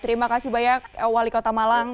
terima kasih banyak wali kota malang